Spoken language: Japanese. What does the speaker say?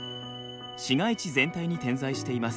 市街地全体に点在しています。